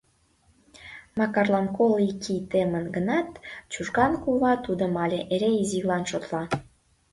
Макарлан коло ик ий темын гынат, Чужган кува тудым але эре изилан, шотла.